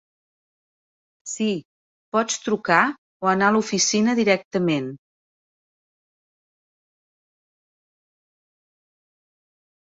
Sí, pots trucar o anar a l'oficina directament.